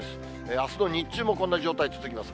あすの日中もこんな状態続きます。